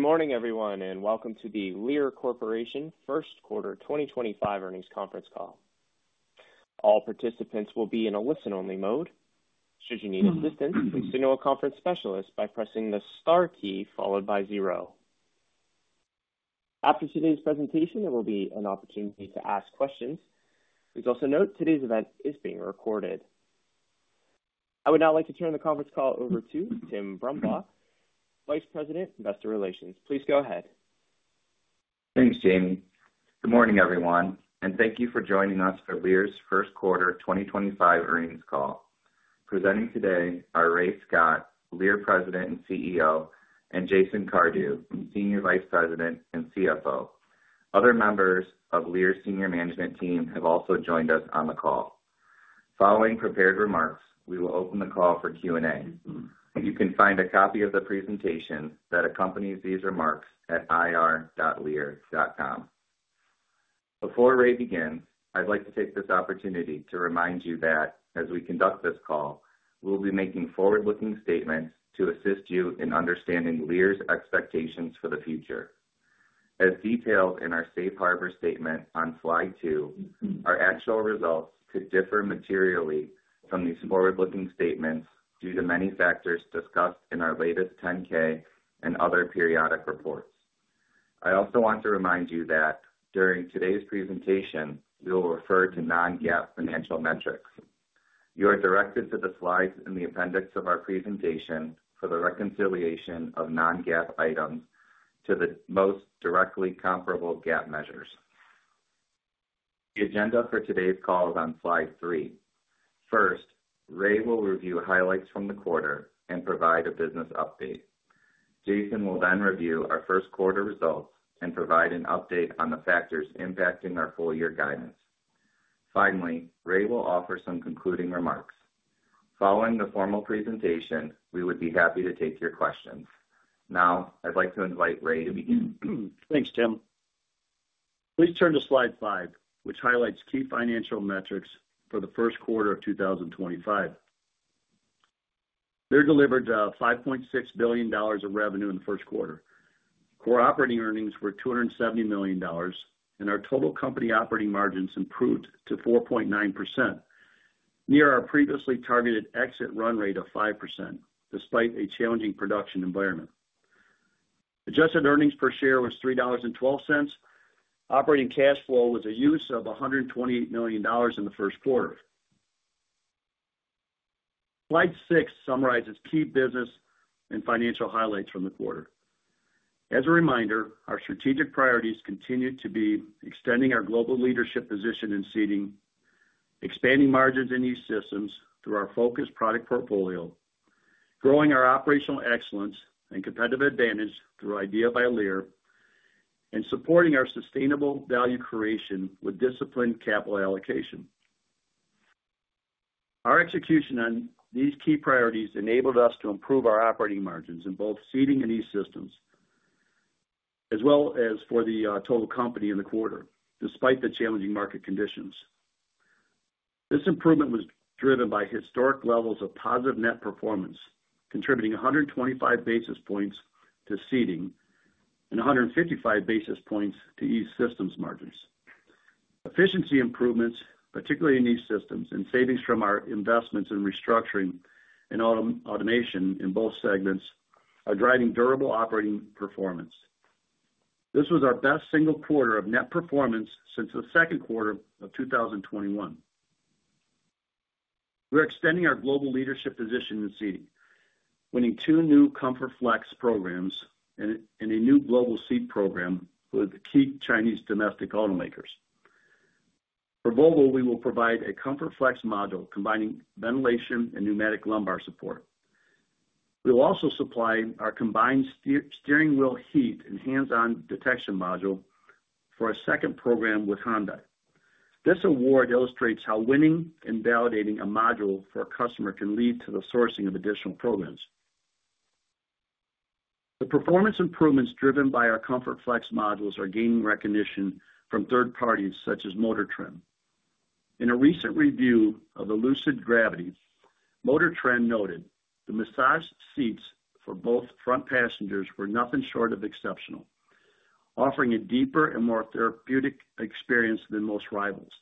Good morning, everyone, and welcome to the Lear Corporation First Quarter 2025 earnings conference call. All participants will be in a listen-only mode. Should you need assistance, please signal a conference specialist by pressing the star key followed by zero. After today's presentation, there will be an opportunity to ask questions. Please also note today's event is being recorded. I would now like to turn the conference call over to Tim Brumbaugh, Vice President, Investor Relations. Please go ahead. Thanks, Jamie. Good morning, everyone, and thank you for joining us for Lear's First Quarter 2025 earnings call. Presenting today are Ray Scott, Lear President and CEO, and Jason Cardew, Senior Vice President and CFO. Other members of Lear's Senior Management Team have also joined us on the call. Following prepared remarks, we will open the call for Q&A. You can find a copy of the presentation that accompanies these remarks at irlear.com. Before Ray begins, I'd like to take this opportunity to remind you that, as we conduct this call, we'll be making forward-looking statements to assist you in understanding Lear's expectations for the future. As detailed in our Safe Harbor statement on slide two, our actual results could differ materially from these forward-looking statements due to many factors discussed in our latest 10-K and other periodic reports. I also want to remind you that, during today's presentation, we will refer to non-GAAP financial metrics. You are directed to the slides in the appendix of our presentation for the reconciliation of non-GAAP items to the most directly comparable GAAP measures. The agenda for today's call is on slide three. First, Ray will review highlights from the quarter and provide a business update. Jason will then review our first quarter results and provide an update on the factors impacting our full-year guidance. Finally, Ray will offer some concluding remarks. Following the formal presentation, we would be happy to take your questions. Now, I'd like to invite Ray to begin. Thanks, Tim. Please turn to slide five, which highlights key financial metrics for the first quarter of 2025. We delivered $5.6 billion of revenue in the first quarter. Core operating earnings were $270 million, and our total company operating margins improved to 4.9%, near our previously targeted exit run rate of 5%, despite a challenging production environment. Adjusted earnings per share was $3.12. Operating cash flow was a use of $128 million in the first quarter. Slide six summarizes key business and financial highlights from the quarter. As a reminder, our strategic priorities continue to be extending our global leadership position in Seating, expanding margins in E-Systems through our focused product portfolio, growing our operational excellence and competitive advantage through IDEA by Lear, and supporting our sustainable value creation with disciplined capital allocation. Our execution on these key priorities enabled us to improve our operating margins in both Seating and E-Systems, as well as for the total company in the quarter, despite the challenging market conditions. This improvement was driven by historic levels of positive net performance, contributing 125 basis points to Seating and 155 basis points to E-Systems margins. Efficiency improvements, particularly in E-Systems, and savings from our investments in restructuring and automation in both segments are driving durable operating performance. This was our best single quarter of net performance since the second quarter of 2021. We're extending our global leadership position in Seating, winning two new Comfort Flex programs and a new Global Seat program with key Chinese domestic automakers. For Volvo, we will provide a Comfort Flex module combining ventilation and pneumatic lumbar support. We will also supply our combined steering wheel heat and hands-on detection module for a second program with Hyundai. This award illustrates how winning and validating a module for a customer can lead to the sourcing of additional programs. The performance improvements driven by our Comfort Flex modules are gaining recognition from third parties such as Motor Trend. In a recent review of the Lucid Gravity, Motor Trend noted the massage seats for both front passengers were nothing short of exceptional, offering a deeper and more therapeutic experience than most rivals.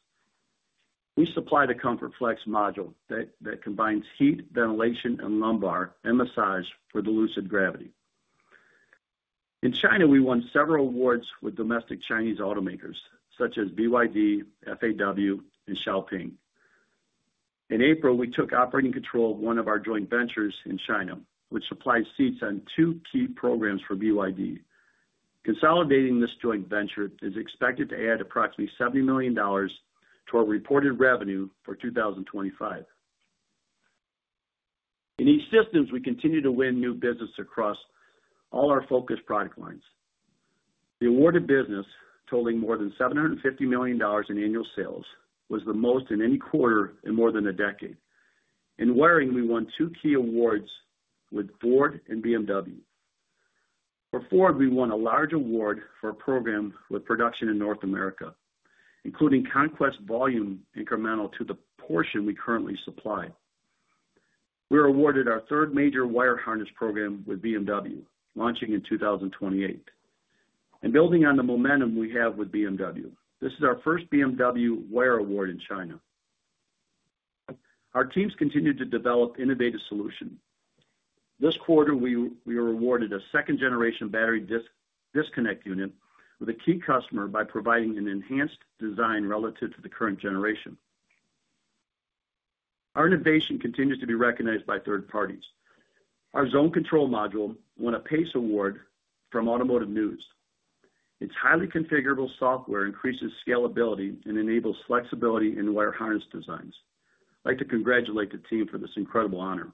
We supply the Comfort Flex module that combines heat, ventilation, and lumbar and massage for the Lucid Gravity. In China, we won several awards with domestic Chinese automakers such as BYD, FAW, and Xiaopeng. In April, we took operating control of one of our joint ventures in China, which supplies seats on two key programs for BYD. Consolidating this joint venture is expected to add approximately $70 million to our reported revenue for 2025. In E-Systems, we continue to win new business across all our focused product lines. The awarded business, totaling more than $750 million in annual sales, was the most in any quarter in more than a decade. In wiring, we won two key awards with Ford and BMW. For Ford, we won a large award for a program with production in North America, including conquest volume, incremental to the portion we currently supply. We were awarded our third major wire harness program with BMW, launching in 2028, and building on the momentum we have with BMW. This is our first BMW wire award in China. Our teams continue to develop innovative solutions. This quarter, we were awarded a second-generation battery disconnect unit with a key customer by providing an enhanced design relative to the current generation. Our innovation continues to be recognized by third parties. Our zone control module won a PACE Award from Automotive News. Its highly configurable software increases scalability and enables flexibility in wire harness designs. I'd like to congratulate the team for this incredible honor.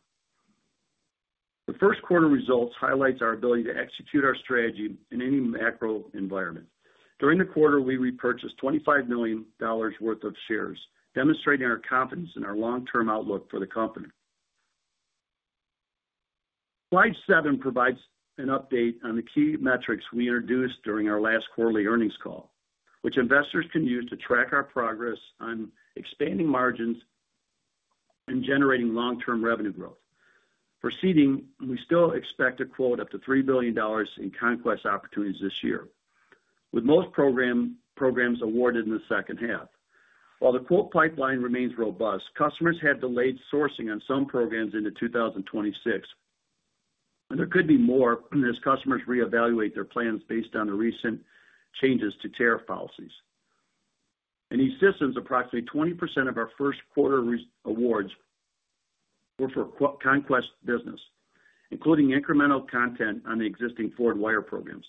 The first quarter results highlight our ability to execute our strategy in any macro environment. During the quarter, we repurchased $25 million worth of shares, demonstrating our confidence in our long-term outlook for the company. Slide seven provides an update on the key metrics we introduced during our last quarterly earnings call, which investors can use to track our progress on expanding margins and generating long-term revenue growth. For Seating, we still expect a quote up to $3 billion in Conquest opportunities this year, with most programs awarded in the second half. While the quote pipeline remains robust, customers had delayed sourcing on some programs into 2026, and there could be more as customers reevaluate their plans based on the recent changes to tariff policies. In E-Systems, approximately 20% of our first quarter awards were for Conquest business, including incremental content on the existing Ford Wire programs.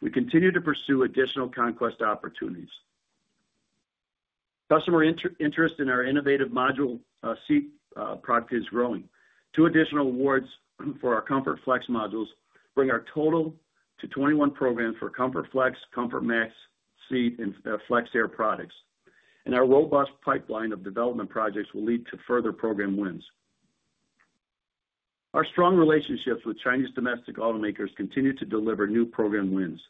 We continue to pursue additional Conquest opportunities. Customer interest in our innovative module seat product is growing. Two additional awards for our Comfort Flex modules bring our total to 21 programs for Comfort Flex, Comfort Max Seat, and Flex Air products. Our robust pipeline of development projects will lead to further program wins. Our strong relationships with Chinese domestic automakers continue to deliver new program wins.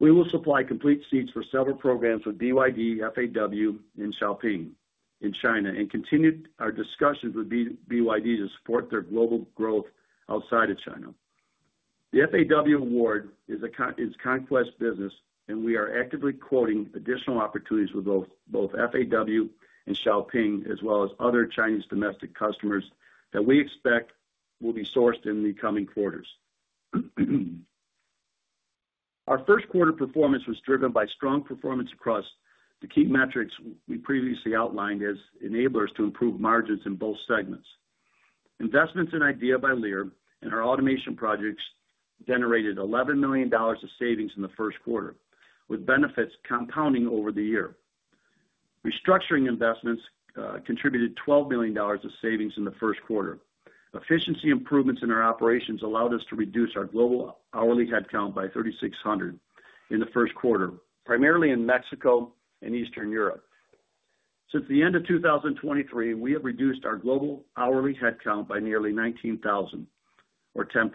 We will supply complete seats for several programs with BYD, FAW, and Xiaopeng in China, and continue our discussions with BYD to support their global growth outside of China. The FAW Award is Conquest business, and we are actively quoting additional opportunities with both FAW and Xiaopeng, as well as other Chinese domestic customers that we expect will be sourced in the coming quarters. Our first quarter performance was driven by strong performance across the key metrics we previously outlined as enablers to improve margins in both segments. Investments in IDEA by Lear and our automation projects generated $11 million of savings in the first quarter, with benefits compounding over the year. Restructuring investments contributed $12 million of savings in the first quarter. Efficiency improvements in our operations allowed us to reduce our global hourly headcount by 3,600 in the first quarter, primarily in Mexico and Eastern Europe. Since the end of 2023, we have reduced our global hourly headcount by nearly 19,000, or 10%.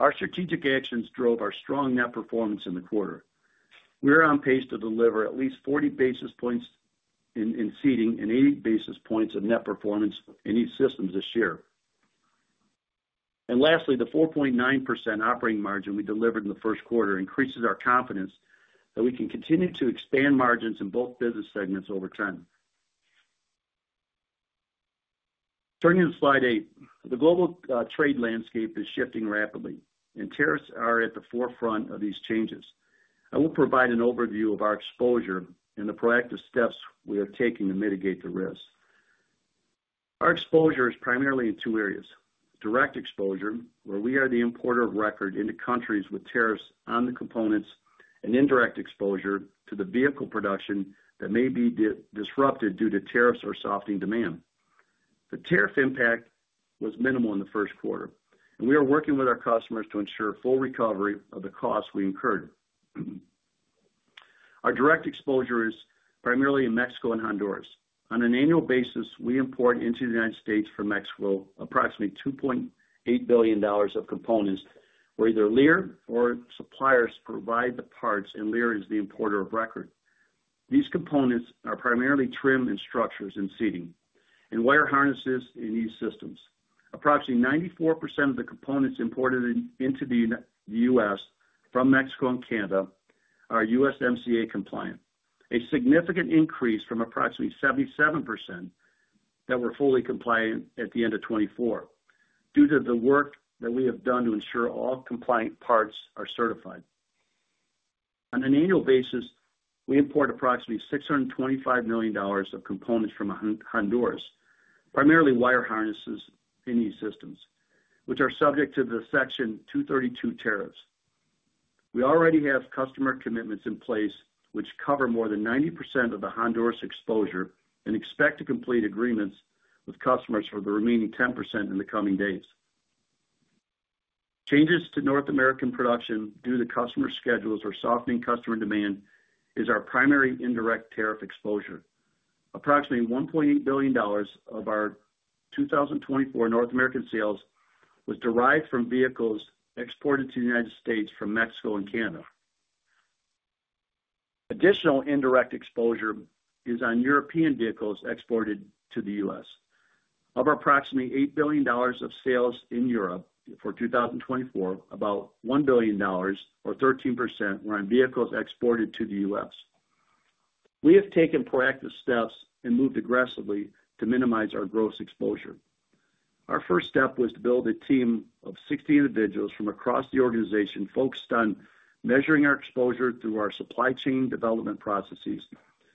Our strategic actions drove our strong net performance in the quarter. We are on pace to deliver at least 40 basis points in Seating and 80 basis points of net performance in E-Systems this year. Lastly, the 4.9% operating margin we delivered in the first quarter increases our confidence that we can continue to expand margins in both business segments over time. Turning to slide eight, the global trade landscape is shifting rapidly, and tariffs are at the forefront of these changes. I will provide an overview of our exposure and the proactive steps we are taking to mitigate the risks. Our exposure is primarily in two areas: direct exposure, where we are the importer of record into countries with tariffs on the components, and indirect exposure to the vehicle production that may be disrupted due to tariffs or softening demand. The tariff impact was minimal in the first quarter, and we are working with our customers to ensure full recovery of the costs we incurred. Our direct exposure is primarily in Mexico and Honduras. On an annual basis, we import into the U.S. from Mexico approximately $2.8 billion of components, where either Lear or suppliers provide the parts, and Lear is the importer of record. These components are primarily trim and structures in Seating and wire harnesses in E-Systems. Approximately 94% of the components imported into the U.S. from Mexico and Canada are U.S. USMCA compliant, a significant increase from approximately 77% that were fully compliant at the end of 2024, due to the work that we have done to ensure all compliant parts are certified. On an annual basis, we import approximately $625 million of components from Honduras, primarily wire harnesses in E-Systems, which are subject to the Section 232 tariffs. We already have customer commitments in place, which cover more than 90% of the Honduras exposure, and expect to complete agreements with customers for the remaining 10% in the coming days. Changes to North American production due to customer schedules or softening customer demand is our primary indirect tariff exposure. Approximately $1.8 billion of our 2024 North American sales was derived from vehicles exported to the U.S. from Mexico and Canada. Additional indirect exposure is on European vehicles exported to the U.S. Of our approximately $8 billion of sales in Europe for 2024, about $1 billion, or 13%, were on vehicles exported to the U.S. We have taken proactive steps and moved aggressively to minimize our gross exposure. Our first step was to build a team of 60 individuals from across the organization focused on measuring our exposure through our supply chain development processes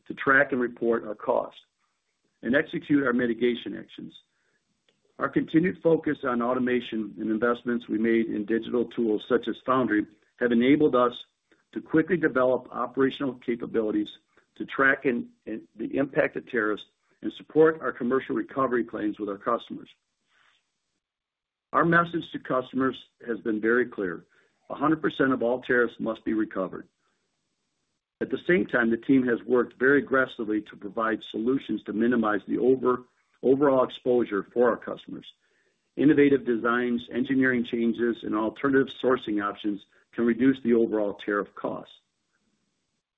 to track and report our costs and execute our mitigation actions. Our continued focus on automation and investments we made in digital tools such as Foundry have enabled us to quickly develop operational capabilities to track the impact of tariffs and support our commercial recovery claims with our customers. Our message to customers has been very clear: 100% of all tariffs must be recovered. At the same time, the team has worked very aggressively to provide solutions to minimize the overall exposure for our customers. Innovative designs, engineering changes, and alternative sourcing options can reduce the overall tariff cost.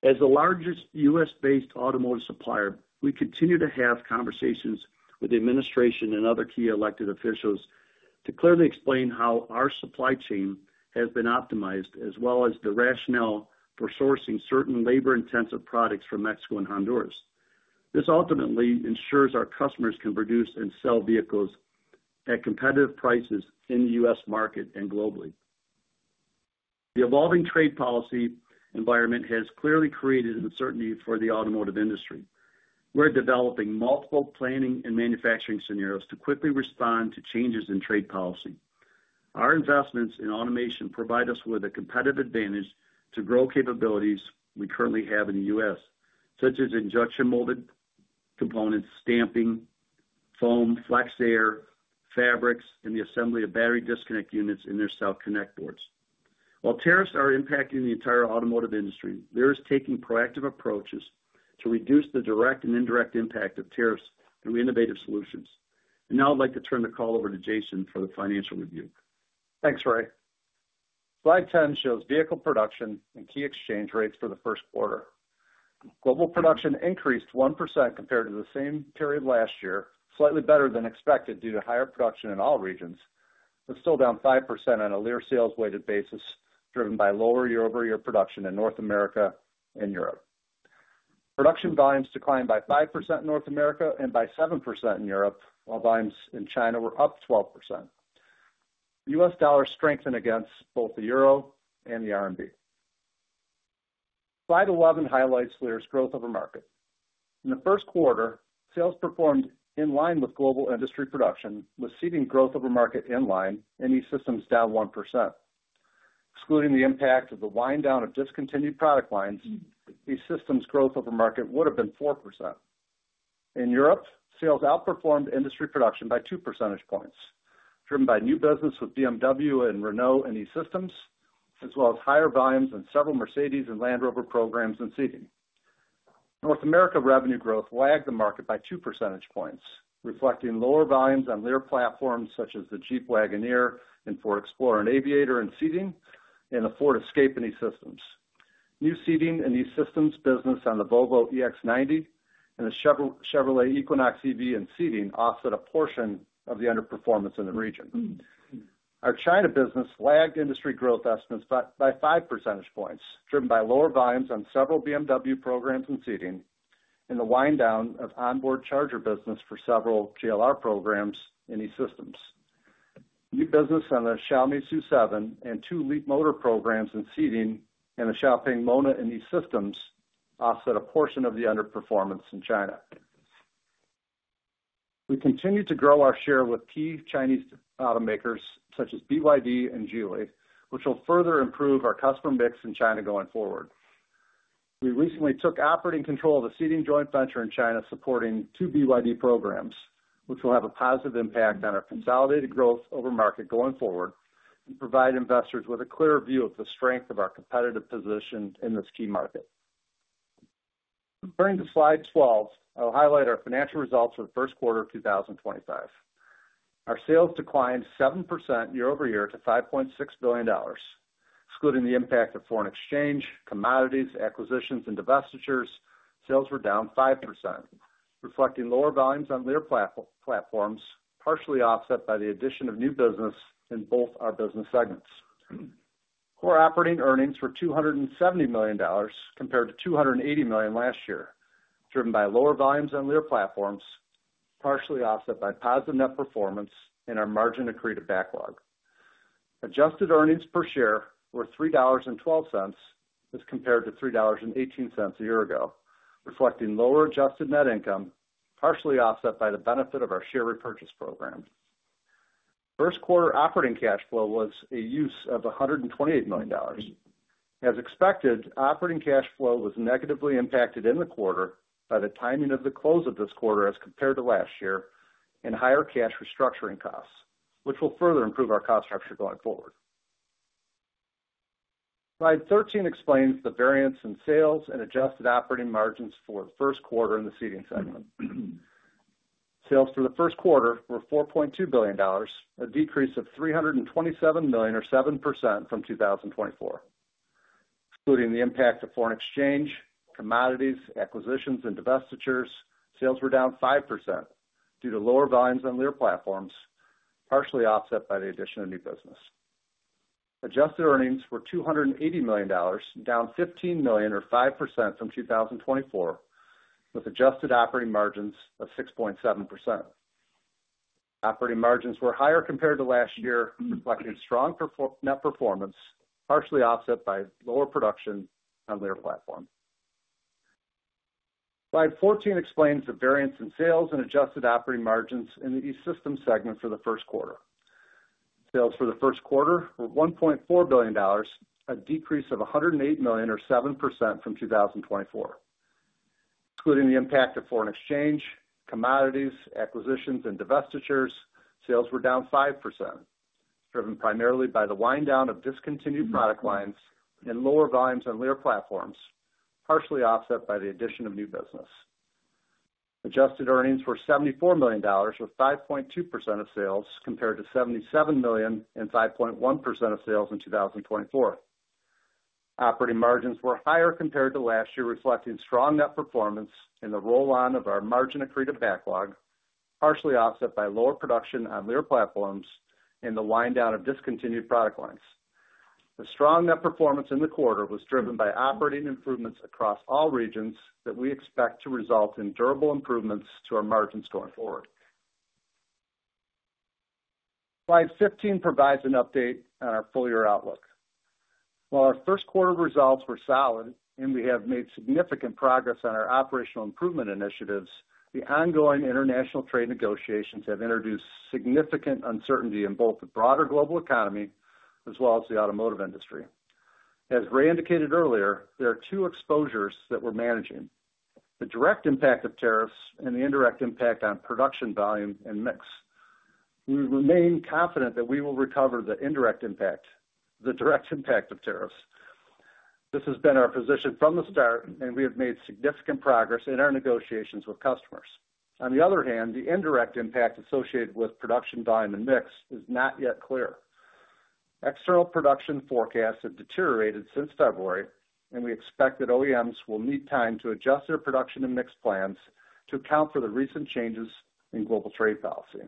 As the largest U.S.-based automotive supplier, we continue to have conversations with the administration and other key elected officials to clearly explain how our supply chain has been optimized, as well as the rationale for sourcing certain labor-intensive products from Mexico and Honduras. This ultimately ensures our customers can produce and sell vehicles at competitive prices in the U.S. market and globally. The evolving trade policy environment has clearly created uncertainty for the automotive industry. We're developing multiple planning and manufacturing scenarios to quickly respond to changes in trade policy. Our investments in automation provide us with a competitive advantage to grow capabilities we currently have in the U.S., such as injection molded components, stamping, foam, Flex Air, fabrics, and the assembly of battery disconnect units in their self-connect boards. While tariffs are impacting the entire automotive industry, Lear is taking proactive approaches to reduce the direct and indirect impact of tariffs through innovative solutions. Now I'd like to turn the call over to Jason for the financial review. Thanks, Ray. Slide 10 shows vehicle production and key exchange rates for the first quarter. Global production increased 1% compared to the same period last year, slightly better than expected due to higher production in all regions, but still down 5% on a Lear sales-weighted basis, driven by lower year-over-year production in North America and Europe. Production volumes declined by 5% in North America and by 7% in Europe, while volumes in China were up 12%. U.S. dollar strengthened against both the EUR and the RMB. Slide 11 highlights Lear's growth of the market. In the first quarter, sales performed in line with global industry production, with Seating growth of the market in line and E-Systems down 1%. Excluding the impact of the wind down of discontinued product lines, E-Systems' growth of the market would have been 4%. In Europe, sales outperformed industry production by two percentage points, driven by new business with BMW and Renault in E-Systems, as well as higher volumes in several Mercedes and Land Rover programs in Seating. North America revenue growth lagged the market by two percentage points, reflecting lower volumes on Lear platforms such as the Jeep Wagoneer and Ford Explorer and Aviator in Seating and the Ford Escape in E-Systems. New Seating and E-Systems business on the Volvo EX90 and the Chevrolet Equinox EV in Seating offset a portion of the underperformance in the region. Our China business lagged industry growth estimates by five percentage points, driven by lower volumes on several BMW programs in Seating and the wind down of onboard charger business for several GLR programs in E-Systems. New business on the Xiaomi SU7 and two Leap Motor programs in Seating and the Xiaoping Mona in E-Systems offset a portion of the underperformance in China. We continue to grow our share with key Chinese automakers such as BYD and Geely, which will further improve our customer mix in China going forward. We recently took operating control of a Seating joint venture in China supporting two BYD programs, which will have a positive impact on our consolidated growth over market going forward and provide investors with a clear view of the strength of our competitive position in this key market. During the slide 12, I'll highlight our financial results for the first quarter of 2025. Our sales declined 7% year-over-year to $5.6 billion, excluding the impact of foreign exchange, commodities, acquisitions, and divestitures. Sales were down 5%, reflecting lower volumes on Lear platforms, partially offset by the addition of new business in both our business segments. Core operating earnings were $270 million compared to $280 million last year, driven by lower volumes on Lear platforms, partially offset by positive net performance and our margin accretive backlog. Adjusted earnings per share were $3.12, as compared to $3.18 a year ago, reflecting lower Adjusted Net Income, partially offset by the benefit of our share repurchase program. First quarter operating cash flow was a use of $128 million. As expected, operating cash flow was negatively impacted in the quarter by the timing of the close of this quarter as compared to last year and higher cash restructuring costs, which will further improve our cost structure going forward. Slide 13 explains the variance in sales and adjusted operating margins for the first quarter in the Seating segment. Sales for the first quarter were $4.2 billion, a decrease of $327 million, or 7%, from 2024, including the impact of foreign exchange, commodities, acquisitions, and divestitures. Sales were down 5% due to lower volumes on Lear platforms, partially offset by the addition of new business. Adjusted earnings were $280 million, down $15 million, or 5%, from 2024, with adjusted operating margins of 6.7%. Operating margins were higher compared to last year, reflecting strong net performance, partially offset by lower production on Lear platform. Slide 14 explains the variance in sales and adjusted operating margins in the E-Systems segment for the first quarter. Sales for the first quarter were $1.4 billion, a decrease of $108 million, or 7%, from 2024, including the impact of foreign exchange, commodities, acquisitions, and divestitures. Sales were down 5%, driven primarily by the wind down of discontinued product lines and lower volumes on Lear platforms, partially offset by the addition of new business. Adjusted earnings were $74 million, or 5.2% of sales, compared to $77 million and 5.1% of sales in 2024. Operating margins were higher compared to last year, reflecting strong net performance in the roll on of our margin accretive backlog, partially offset by lower production on Lear platforms and the wind down of discontinued product lines. The strong net performance in the quarter was driven by operating improvements across all regions that we expect to result in durable improvements to our margins going forward. Slide 15 provides an update on our full year outlook. While our first quarter results were solid and we have made significant progress on our operational improvement initiatives, the ongoing international trade negotiations have introduced significant uncertainty in both the broader global economy as well as the automotive industry. As Ray indicated earlier, there are two exposures that we're managing: the direct impact of tariffs and the indirect impact on production volume and mix. We remain confident that we will recover the indirect impact, the direct impact of tariffs. This has been our position from the start, and we have made significant progress in our negotiations with customers. On the other hand, the indirect impact associated with production volume and mix is not yet clear. External production forecasts have deteriorated since February, and we expect that OEMs will need time to adjust their production and mix plans to account for the recent changes in global trade policy.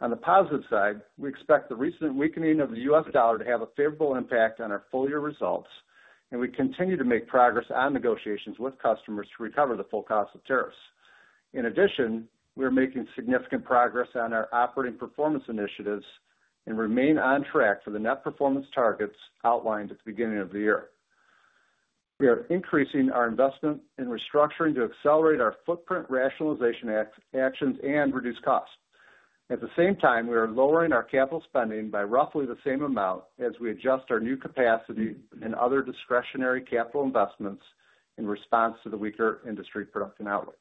On the positive side, we expect the recent weakening of the U.S. dollar to have a favorable impact on our full year results, and we continue to make progress on negotiations with customers to recover the full cost of tariffs. In addition, we are making significant progress on our operating performance initiatives and remain on track for the net performance targets outlined at the beginning of the year. We are increasing our investment in restructuring to accelerate our footprint rationalization actions and reduce costs. At the same time, we are lowering our capital spending by roughly the same amount as we adjust our new capacity and other discretionary capital investments in response to the weaker industry production outlook.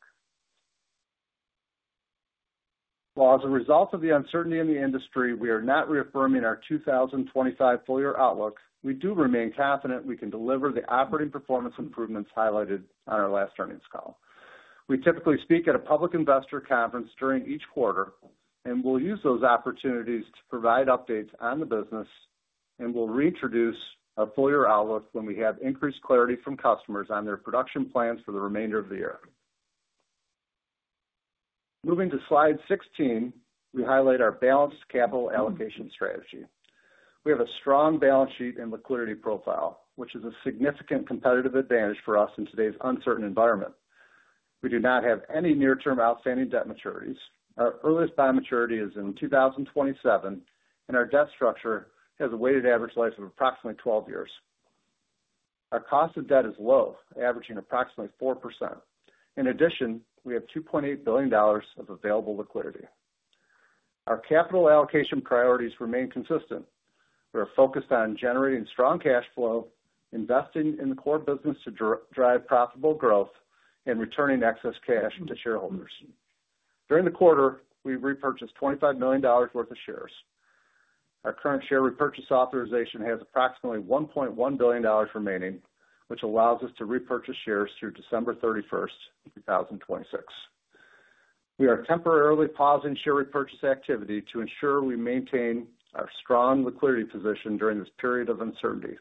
While as a result of the uncertainty in the industry, we are not reaffirming our 2025 full year outlook, we do remain confident we can deliver the operating performance improvements highlighted on our last earnings call. We typically speak at a public investor conference during each quarter, and we'll use those opportunities to provide updates on the business, and we'll reintroduce our full year outlook when we have increased clarity from customers on their production plans for the remainder of the year. Moving to slide 16, we highlight our balanced capital allocation strategy. We have a strong balance sheet and liquidity profile, which is a significant competitive advantage for us in today's uncertain environment. We do not have any near-term outstanding debt maturities. Our earliest bond maturity is in 2027, and our debt structure has a weighted average life of approximately 12 years. Our cost of debt is low, averaging approximately 4%. In addition, we have $2.8 billion of available liquidity. Our capital allocation priorities remain consistent. We are focused on generating strong cash flow, investing in the core business to drive profitable growth, and returning excess cash to shareholders. During the quarter, we repurchased $25 million worth of shares. Our current share repurchase authorization has approximately $1.1 billion remaining, which allows us to repurchase shares through December 31st, 2026. We are temporarily pausing share repurchase activity to ensure we maintain our strong liquidity position during this period of uncertainty.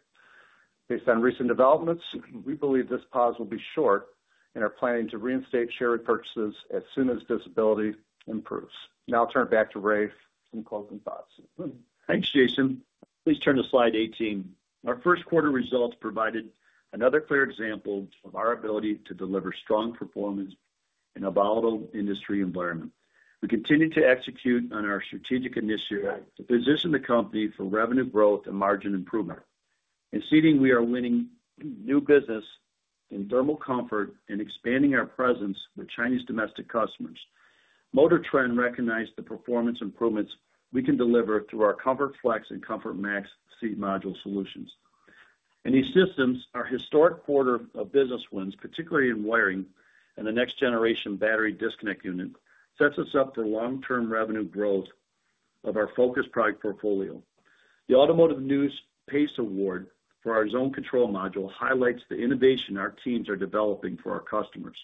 Based on recent developments, we believe this pause will be short and are planning to reinstate share repurchases as soon as visibility improves. Now I'll turn it back to Ray for some closing thoughts. Thanks, Jason. Please turn to slide 18. Our first quarter results provided another clear example of our ability to deliver strong performance in a volatile industry environment. We continue to execute on our strategic initiative to position the company for revenue growth and margin improvement. In Seating, we are winning new business in thermal comfort and expanding our presence with Chinese domestic customers. Motor Trend recognized the performance improvements we can deliver through our Comfort Flex and Comfort Max Seat module solutions. In these systems, our historic quarter of business wins, particularly in wiring and the next generation battery disconnect unit, sets us up for long-term revenue growth of our focus product portfolio. The Automotive News PACE Award for our zone control module highlights the innovation our teams are developing for our customers.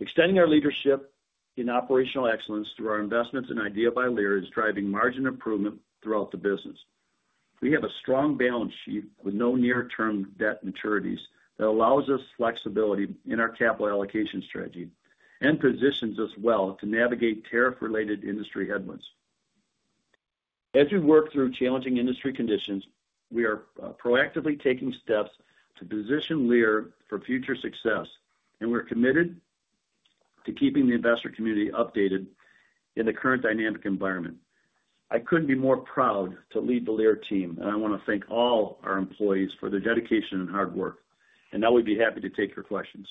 Extending our leadership in operational excellence through our investments in IDEA by Lear is driving margin improvement throughout the business. We have a strong balance sheet with no near-term debt maturities that allows us flexibility in our capital allocation strategy and positions us well to navigate tariff-related industry headwinds. As we work through challenging industry conditions, we are proactively taking steps to position Lear for future success, and we're committed to keeping the investor community updated in the current dynamic environment. I couldn't be more proud to lead the Lear team, and I want to thank all our employees for their dedication and hard work, and now we'd be happy to take your questions.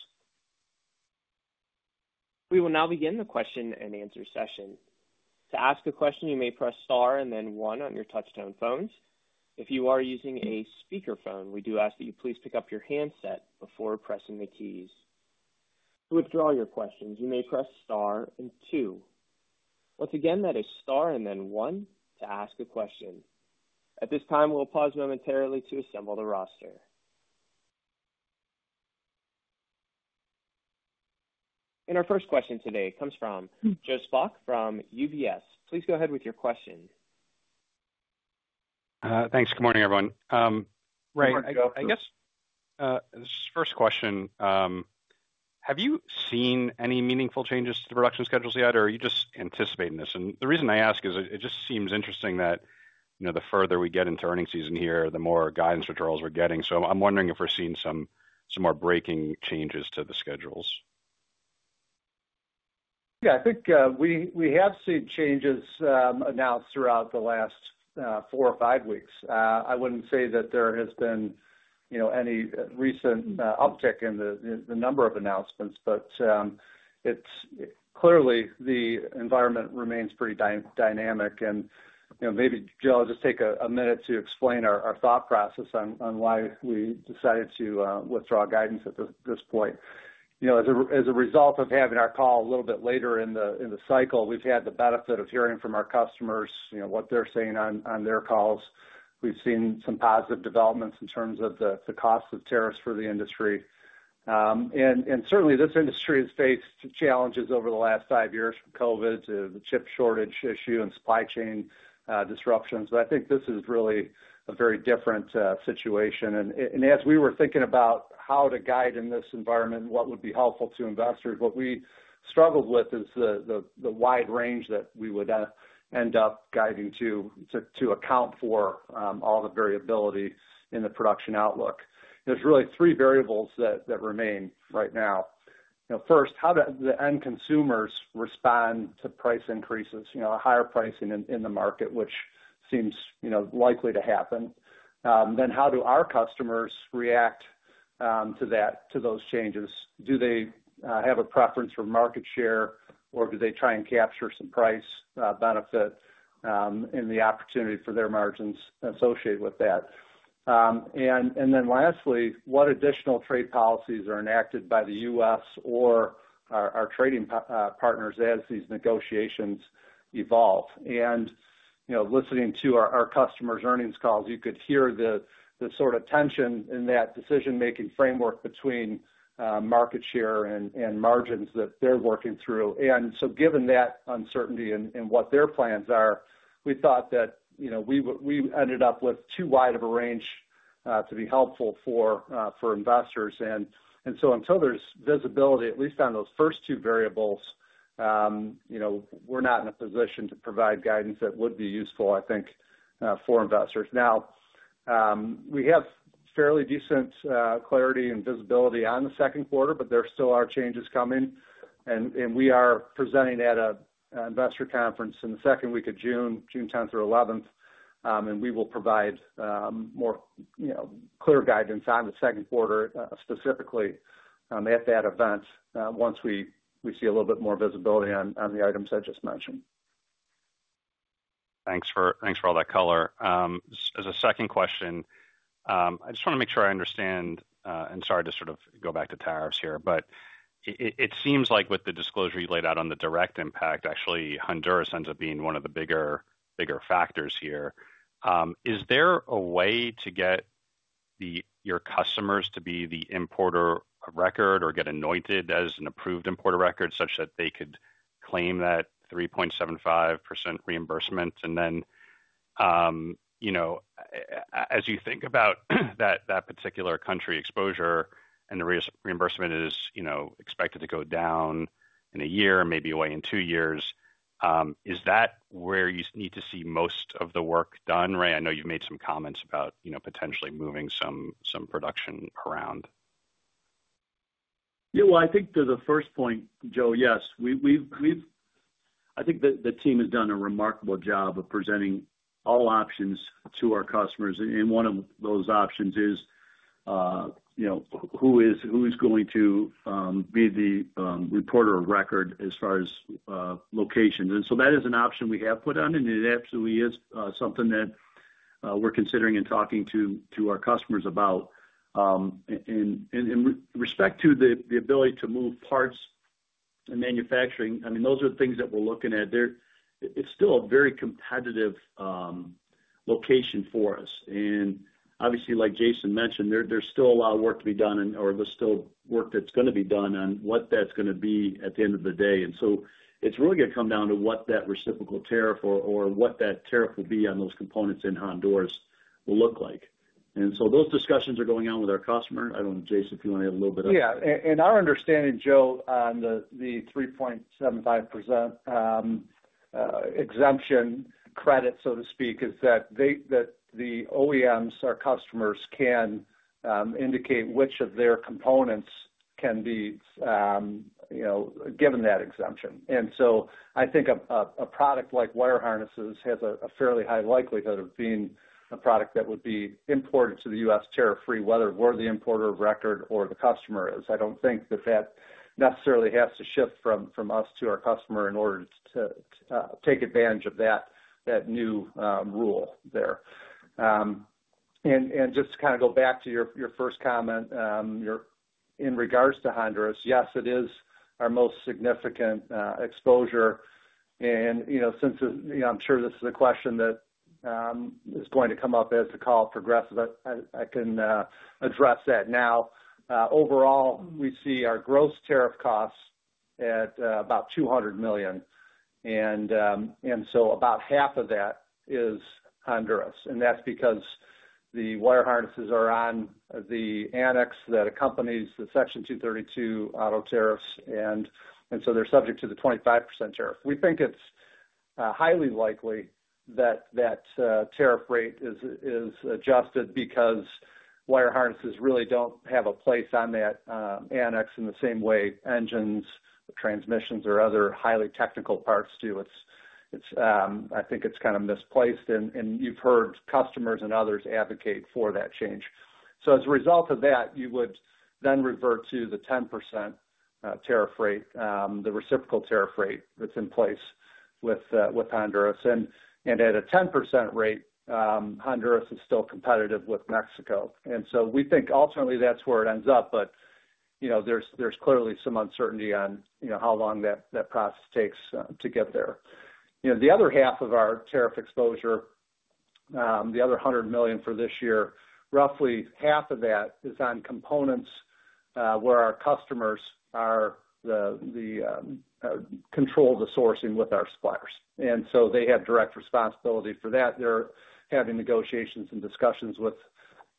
We will now begin the question and answer session. To ask a question, you may press star and then one on your touch-tone phones. If you are using a speakerphone, we do ask that you please pick up your handset before pressing the keys. To withdraw your questions, you may press star and two. Once again, that is star and then one to ask a question. At this time, we'll pause momentarily to assemble the roster. Our first question today comes from Joe Spak from UBS. Please go ahead with your question. Thanks. Good morning, everyone. Right. I guess this is the first question. Have you seen any meaningful changes to the production schedules yet, or are you just anticipating this? The reason I ask is it just seems interesting that the further we get into earnings season here, the more guidance withdrawals we're getting. I'm wondering if we're seeing some more breaking changes to the schedules. Yeah, I think we have seen changes announced throughout the last four or five weeks. I would not say that there has been any recent uptick in the number of announcements, but clearly, the environment remains pretty dynamic. Maybe Joe, I will just take a minute to explain our thought process on why we decided to withdraw guidance at this point. As a result of having our call a little bit later in the cycle, we have had the benefit of hearing from our customers, what they are saying on their calls. We have seen some positive developments in terms of the cost of tariffs for the industry. Certainly, this industry has faced challenges over the last five years, from COVID to the chip shortage issue and supply chain disruptions. I think this is really a very different situation. As we were thinking about how to guide in this environment, what would be helpful to investors, what we struggled with is the wide range that we would end up guiding to account for all the variability in the production outlook. There are really three variables that remain right now. First, how do the end consumers respond to price increases, a higher pricing in the market, which seems likely to happen? How do our customers react to those changes? Do they have a preference for market share, or do they try and capture some price benefit in the opportunity for their margins associated with that? Lastly, what additional trade policies are enacted by the U.S. or our trading partners as these negotiations evolve? Listening to our customers' earnings calls, you could hear the sort of tension in that decision-making framework between market share and margins that they're working through. Given that uncertainty in what their plans are, we thought that we ended up with too wide of a range to be helpful for investors. Until there's visibility, at least on those first two variables, we're not in a position to provide guidance that would be useful, I think, for investors. We have fairly decent clarity and visibility on the second quarter, but there still are changes coming. We are presenting at an investor conference in the second week of June, June 10th or 11th, and we will provide more clear guidance on the second quarter specifically at that event once we see a little bit more visibility on the items I just mentioned. Thanks for all that color. As a second question, I just want to make sure I understand, and sorry to sort of go back to tariffs here, but it seems like with the disclosure you laid out on the direct impact, actually Honduras ends up being one of the bigger factors here. Is there a way to get your customers to be the importer of record or get anointed as an approved importer record such that they could claim that 3.75% reimbursement? And then as you think about that particular country exposure and the reimbursement is expected to go down in a year, maybe away in two years, is that where you need to see most of the work done? Ray, I know you've made some comments about potentially moving some production around. Yeah, I think to the first point, Joe, yes. I think the team has done a remarkable job of presenting all options to our customers. One of those options is who is going to be the reporter of record as far as locations. That is an option we have put on, and it absolutely is something that we're considering and talking to our customers about. With respect to the ability to move parts and manufacturing, I mean, those are the things that we're looking at. It's still a very competitive location for us. Obviously, like Jason mentioned, there's still a lot of work to be done or there's still work that's going to be done on what that's going to be at the end of the day. It's really going to come down to what that reciprocal tariff or what that tariff will be on those components in Honduras will look like. Those discussions are going on with our customer. I do not know, Jason, if you want to add a little bit on that. Yeah. Our understanding, Joe, on the 3.75% exemption credit, so to speak, is that the OEMs, our customers, can indicate which of their components can be given that exemption. I think a product like wire harnesses has a fairly high likelihood of being a product that would be imported to the U.S. tariff-free, whether we are the importer of record or the customer is. I do not think that necessarily has to shift from us to our customer in order to take advantage of that new rule there. Just to go back to your first comment in regards to Honduras, yes, it is our most significant exposure. Since I'm sure this is a question that is going to come up as the call progresses, I can address that now. Overall, we see our gross tariff costs at about $200 million. About half of that is Honduras. That's because the wire harnesses are on the annex that accompanies the Section 232 auto tariffs, and they're subject to the 25% tariff. We think it's highly likely that that tariff rate is adjusted because wire harnesses really do not have a place on that annex in the same way engines, transmissions, or other highly technical parts do. I think it's kind of misplaced, and you've heard customers and others advocate for that change. As a result of that, you would then revert to the 10% tariff rate, the reciprocal tariff rate that's in place with Honduras. At a 10% rate, Honduras is still competitive with Mexico. We think ultimately that's where it ends up, but there's clearly some uncertainty on how long that process takes to get there. The other half of our tariff exposure, the other $100 million for this year, roughly half of that is on components where our customers control the sourcing with our suppliers. They have direct responsibility for that. They're having negotiations and discussions with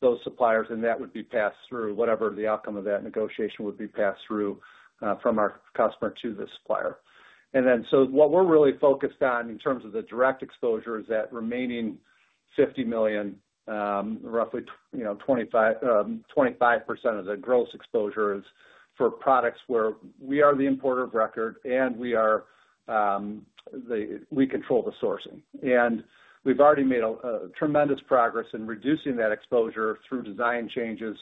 those suppliers, and that would be passed through—whatever the outcome of that negotiation would be passed through from our customer to the supplier. What we're really focused on in terms of the direct exposure is that remaining $50 million, roughly 25% of the gross exposure is for products where we are the importer of record and we control the sourcing. We have already made tremendous progress in reducing that exposure through design changes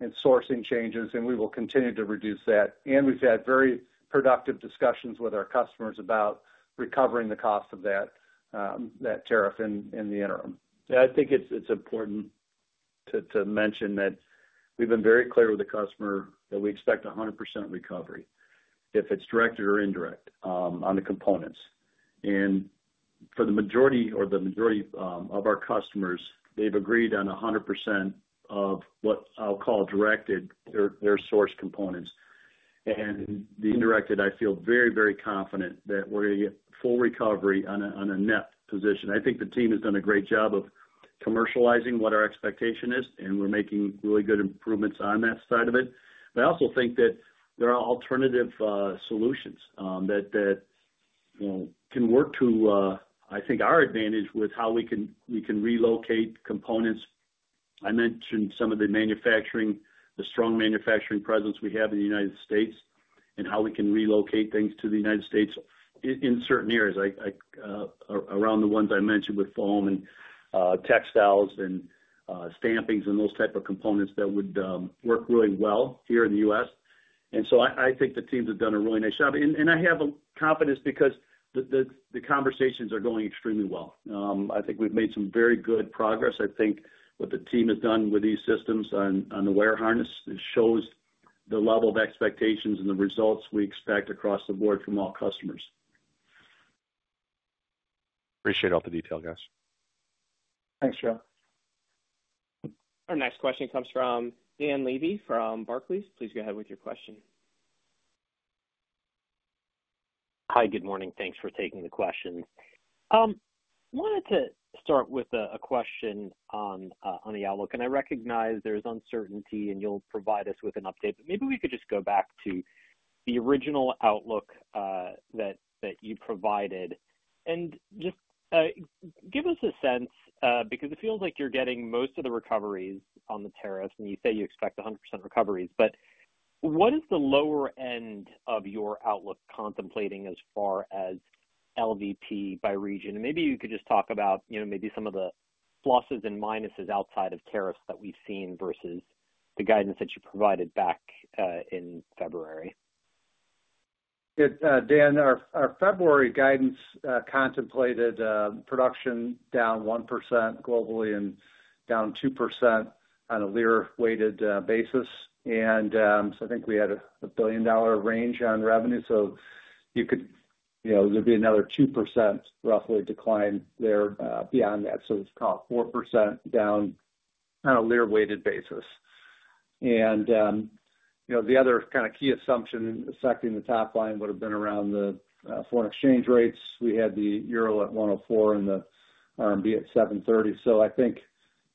and sourcing changes, and we will continue to reduce that. We have had very productive discussions with our customers about recovering the cost of that tariff in the interim. I think it is important to mention that we have been very clear with the customer that we expect 100% recovery, if it is directed or indirect, on the components. For the majority of our customers, they have agreed on 100% of what I will call directed, their source components. For the indirected, I feel very, very confident that we are going to get full recovery on a net position. I think the team has done a great job of commercializing what our expectation is, and we are making really good improvements on that side of it. I also think that there are alternative solutions that can work to, I think, our advantage with how we can relocate components. I mentioned some of the strong manufacturing presence we have in the United States and how we can relocate things to the United States in certain areas, around the ones I mentioned with foam and textiles and stampings and those types of components that would work really well here in the U.S. I think the team has done a really nice job. I have confidence because the conversations are going extremely well. I think we've made some very good progress. I think what the team has done with these systems on the wire harness shows the level of expectations and the results we expect across the board from all customers. Appreciate all the detail, guys. Thanks, Joe. Our next question comes from Dan Leigh from Barclays. Please go ahead with your question. Hi, good morning. Thanks for taking the question. I wanted to start with a question on the outlook. I recognize there's uncertainty, and you'll provide us with an update. Maybe we could just go back to the original outlook that you provided. Just give us a sense because it feels like you're getting most of the recoveries on the tariffs, and you say you expect 100% recoveries. What is the lower end of your outlook contemplating as far as LVP by region? Maybe you could just talk about some of the pluses and minuses outside of tariffs that we've seen versus the guidance that you provided back in February. Dan, our February guidance contemplated production down 1% globally and down 2% on a Lear-weighted basis. I think we had a billion-dollar range on revenue. There would be another 2% roughly decline there beyond that. It is called 4% down on a Lear-weighted basis. The other kind of key assumption affecting the top line would have been around the foreign exchange rates. We had the EUR at 1.04 and the RMB at 7.30. I think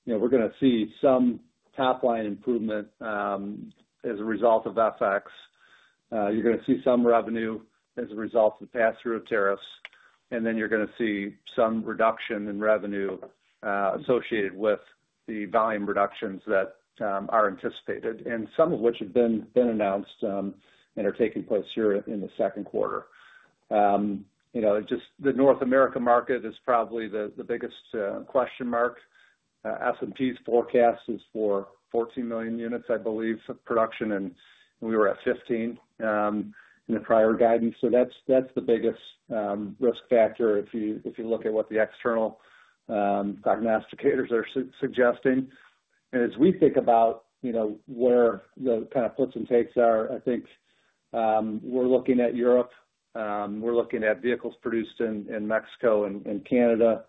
we are going to see some top line improvement as a result of FX. You are going to see some revenue as a result of the pass-through of tariffs. You are going to see some reduction in revenue associated with the volume reductions that are anticipated, and some of which have been announced and are taking place here in the second quarter. The North America market is probably the biggest question mark. S&P's forecast is for 14 million units, I believe, of production, and we were at 15 in the prior guidance. That is the biggest risk factor if you look at what the external prognosticators are suggesting. As we think about where the kind of puts and takes are, I think we're looking at Europe. We're looking at vehicles produced in Mexico and Canada.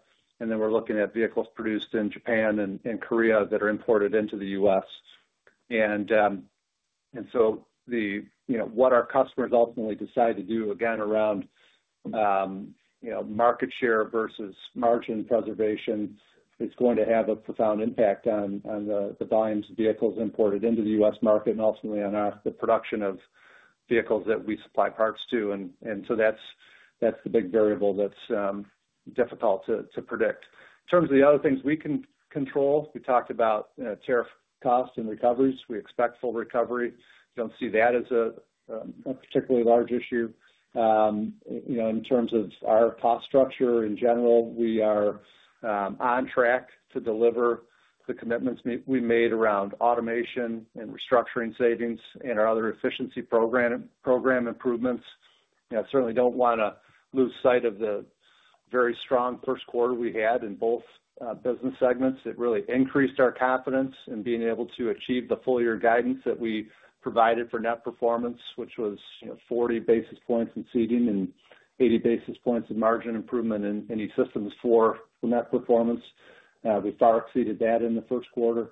Then we're looking at vehicles produced in Japan and Korea that are imported into the U.S. What our customers ultimately decide to do, again, around market share versus margin preservation, is going to have a profound impact on the volumes of vehicles imported into the U.S. market and ultimately on the production of vehicles that we supply parts to. That is the big variable that is difficult to predict. In terms of the other things we can control, we talked about tariff costs and recoveries. We expect full recovery. We do not see that as a particularly large issue. In terms of our cost structure in general, we are on track to deliver the commitments we made around automation and restructuring savings and our other efficiency program improvements. I certainly do not want to lose sight of the very strong first quarter we had in both business segments. It really increased our confidence in being able to achieve the full-year guidance that we provided for net performance, which was 40 basis points in Seating and 80 basis points in margin improvement in E-Systems for net performance. We far exceeded that in the first quarter.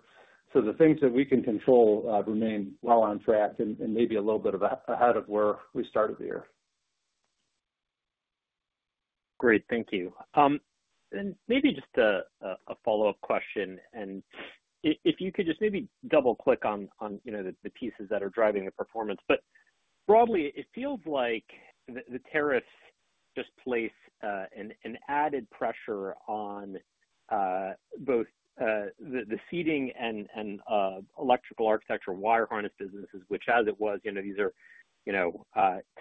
The things that we can control remain well on track and maybe a little bit ahead of where we started the year. Great. Thank you. Maybe just a follow-up question. If you could just maybe double-click on the pieces that are driving the performance. Broadly, it feels like the tariffs just place an added pressure on both the Seating and electrical architecture wire harness businesses, which, as it was, these are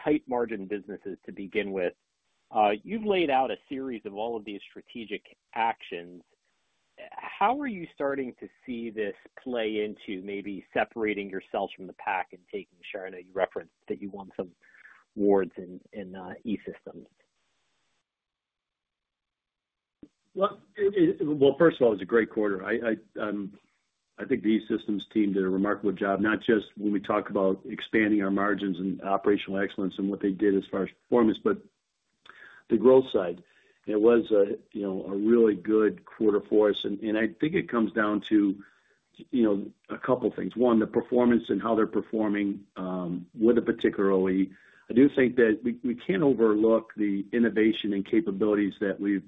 tight-margin businesses to begin with. You have laid out a series of all of these strategic actions. How are you starting to see this play into maybe separating yourselves from the pack and taking share? I know you referenced that you won some awards in E-Systems. First of all, it was a great quarter. I think the E-Systems team did a remarkable job, not just when we talk about expanding our margins and operational excellence and what they did as far as performance, but the growth side. It was a really good quarter for us. I think it comes down to a couple of things. One, the performance and how they're performing with a particular OE. I do think that we can't overlook the innovation and capabilities that we've